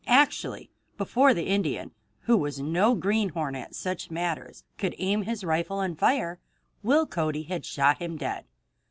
Actually before the Indian, who was no greenhorn at such matters, could aim his rifle and fire, Will Cody had shot him dead.